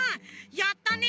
やったね。